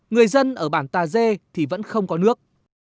người dân ở bản tà dê thì vẫn không có nước